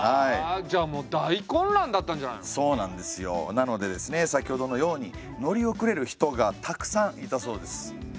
なのでですね先ほどのように乗り遅れる人がたくさんいたそうです。